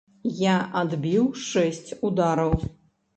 Я адбіў шэсць удараў.